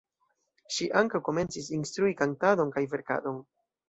Ŝi ankaŭ komencis instrui kantadon kaj verkadon.